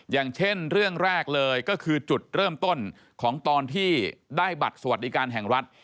อย่างเช่นเรื่องแรกเลยก็คือจุดเริ่มต้นของตอนที่ได้บัตรสวัสดิการแห่งรัฐ